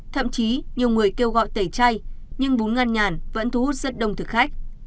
thậm chí nhiều người kêu gọi tẩy chay nhưng bún ngăn nhàn vẫn thu hút rất đông thực khách